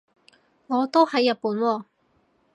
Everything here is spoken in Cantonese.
我都喺日本喎